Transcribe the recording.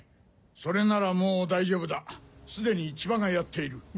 それならもう大丈夫だ既に千葉がやっている。